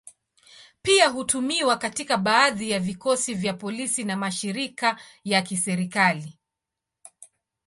Pia hutumiwa katika baadhi ya vikosi vya polisi na mashirika ya kiserikali.